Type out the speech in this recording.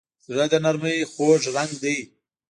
زړه د نرمۍ خوږ رنګ دی.